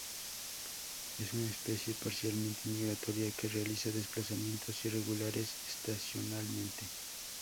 Es una especie parcialmente migratoria que realiza desplazamientos irregulares estacionalmente.